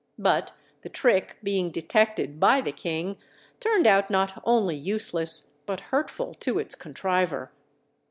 But the trick being detected by the king, turned out not only useless but hurtful to its contriver.